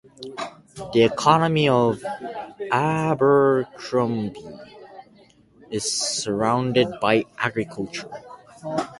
The economy of Abercrombie is surrounded by agriculture.